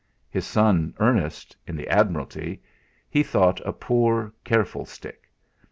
His son Ernest in the Admiralty he thought a poor, careful stick.